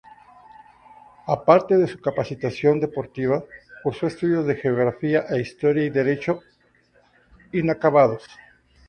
Aparte de su capacitación deportiva, cursó estudios de Geografía e Historia y Derecho -inacabados-.